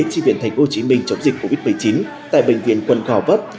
chi viện thành phố hồ chí minh chống dịch covid một mươi chín tại bệnh viện quân cò vất